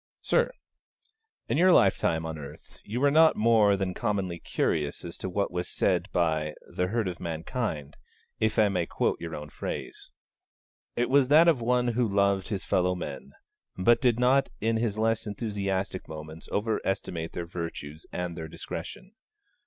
Sir, In your lifetime on earth you were not more than commonly curious as to what was said by 'the herd of mankind,' if I may quote your own phrase. It was that of one who loved his fellow men, but did not in his less enthusiastic moments overestimate their virtues and their discretion.